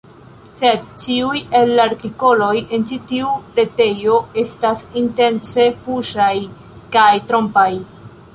Sed, ĉiuj el la artikoloj en ĉi tiu retejo estas intence fuŝaj kaj trompaj.